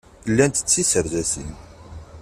Llant d tiserdasin.